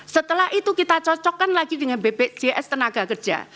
setelah itu kita cocokkan lagi dengan bpjs tenaga kerja